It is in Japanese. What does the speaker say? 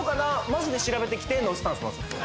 マジで調べてきてのスタンスなんですよ